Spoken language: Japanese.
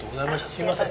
すいません